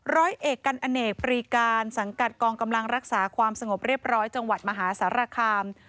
ร้อยเอกกันอเนกปรีการสังกัดกองกำลังรักษาความสงบเรียบร้อยจังหวัดมหาสารคาม